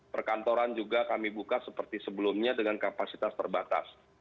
perkantoran juga kami buka seperti sebelumnya dengan kapasitas terbatas